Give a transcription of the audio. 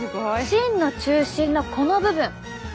芯の中心のこの部分。